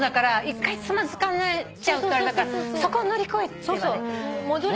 一回つまずいちゃうとそこを乗り越えてね。